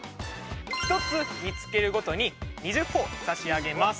１つ見つけるごとに２０ほぉ差し上げます。